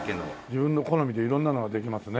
自分の好みで色んなのができますね。